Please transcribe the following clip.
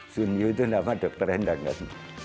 sun yu itu nama dokter endang kan